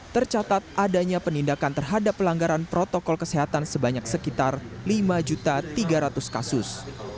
tercatat adanya penindakan terhadap pelanggaran protokol kesehatan sebanyak sekitar lima tiga ratus kasus